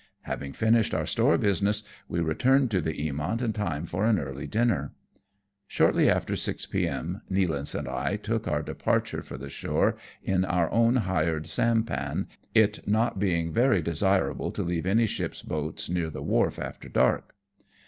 Having finished our store business, we returned to the Eamont in time for an early dinner. Shortly after 6 p.m., Nealance and I took our de parture for the shore in our own hired sampan, it not ABOUT WOO AH CHEONG. 91 being very desirable to leave any ship's boats near the wharf after dark.